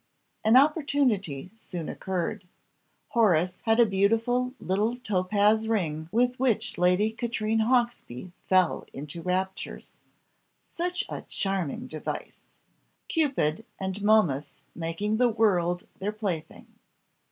An opportunity soon occurred Horace had a beautiful little topaz ring with which Lady Katrine Hawksby fell into raptures; such a charming device! Cupid and Momus making the world their plaything.